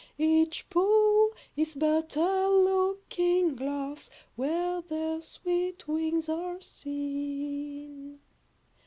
Each pool is but a looking glass, Where their sweet wings are seen.